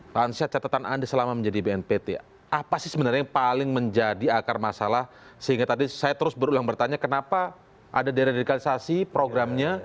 pak ansyat catatan anda selama menjadi bnpt apa sih sebenarnya yang paling menjadi akar masalah sehingga tadi saya terus berulang bertanya kenapa ada deradikalisasi programnya